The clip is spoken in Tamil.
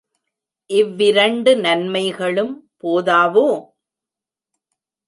இவ்விரண்டு நன்மைகளும் போதாவோ?